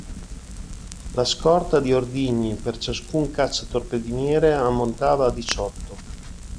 La scorta di ordigni per ciascun cacciatorpediniere ammontava a diciotto.